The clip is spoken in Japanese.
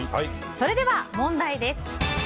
それでは問題です。